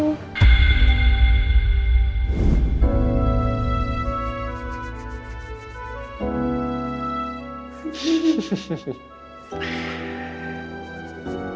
gina mengesanku pada saat itu